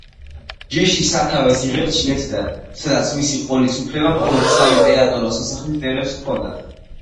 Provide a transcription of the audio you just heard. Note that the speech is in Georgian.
ჯიში სათავეს იღებს ჩინეთიდან, სადაც მისი ყოლის უფლება მხოლოდ საიმპერატორო სასახლის წევრებს ჰქონდათ.